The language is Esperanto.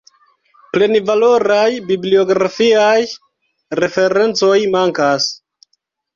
Plenvaloraj bibliografiaj referencoj mankas.